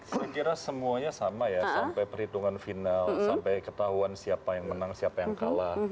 saya kira semuanya sama ya sampai perhitungan final sampai ketahuan siapa yang menang siapa yang kalah